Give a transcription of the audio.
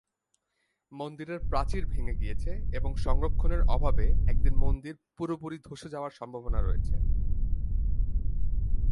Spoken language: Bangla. মন্দিরের প্রাচীর ভেঙে গিয়েছে এবং সংরক্ষণের অভাবে একদিন মন্দির পুরোপুরি ধসে যাওয়ার সম্ভাবনা রয়েছে।